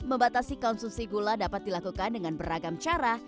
membatasi konsumsi gula dapat dilakukan dengan beragam cara